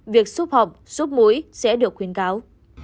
việc xúc họng xúc mũi sẽ được khuyến cáo